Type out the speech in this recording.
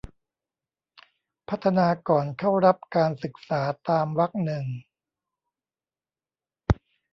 พัฒนาก่อนเข้ารับการศึกษาตามวรรคหนึ่ง